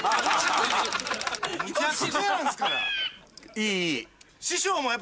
いいいい。